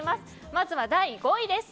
まずは第５位です。